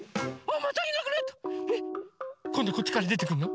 こんどこっちからでてくるの？